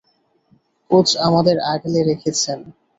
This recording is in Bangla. কোচ আমাদের আগলে রেখেছেন!